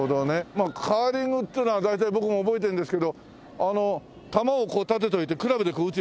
まあカーリングっていうのは大体僕も覚えてるんですけど球をこう立てておいてクラブでこう打つやつでしょ？